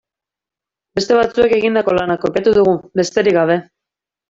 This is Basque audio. Beste batzuek egindako lana kopiatu dugu, besterik gabe.